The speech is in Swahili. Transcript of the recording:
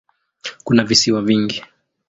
Kuna visiwa vingi.